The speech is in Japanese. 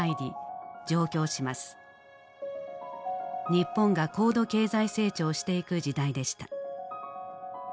日本が高度経済成長していく時代でした。